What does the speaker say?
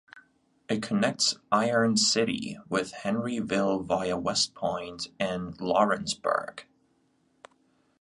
It connects Iron City with Henryville via Westpoint and Lawrenceburg.